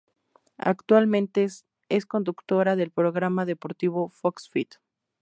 Actualmente es conductora del programa deportivo Fox Fit.